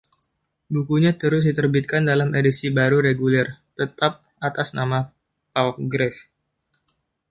Bukunya terus diterbitkan dalam edisi baru reguler; tetap atas nama Palgrave.